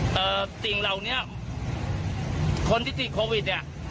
พฤติโควิดเนี่ย